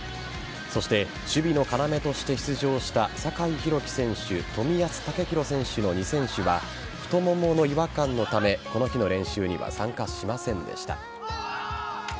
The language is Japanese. そして守備の要として出場した酒井宏樹選手、冨安健洋選手の２選手は太ももの違和感のためこの日の練習には参加しませんでした。